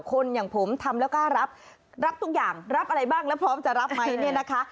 คนอย่างผมทำแล้วกล้ารับรับทุกอย่างรับอะไรบ้างแล้วพร้อมจะรับไหมเนี่ยนะคะ